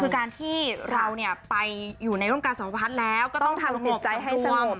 คือการที่เราไปอยู่ในโรงการสำหรับวัดแล้วก็ต้องทำจิตใจให้สมควร